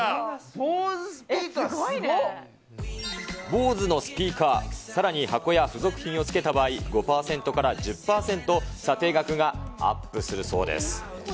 ボーズのスピーカー、さらに箱や付属品をつけた場合、５％から１０％査定額がアップするそうです。